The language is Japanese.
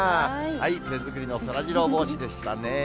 手作りのそらジロー帽子でしたね。